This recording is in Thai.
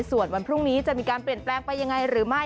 ส่วนวันพรุ่งนี้จะมีการเปลี่ยนแปลงไปยังไงหรือไม่